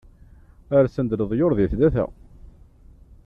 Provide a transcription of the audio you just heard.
Rsen-d leḍyur di tlata.